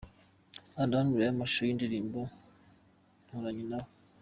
Kanda hano urebe amashusho y'indirimbo 'Nturanye nabo' .